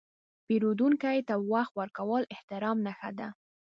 پیرودونکي ته وخت ورکول د احترام نښه ده.